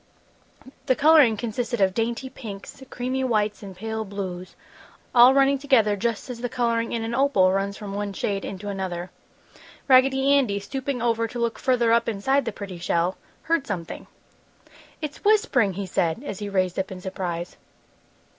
The coloring consisted of dainty pinks, creamy whites and pale blues, all running together just as the coloring in an opal runs from one shade into another. Raggedy Andy, stooping over to look further up inside the pretty shell, heard something. "It's whispering!" he said, as he raised up in surprise.